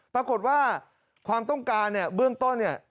ปรากฏว่าความต้องการเนี่ยเบื้องต้นเนี่ย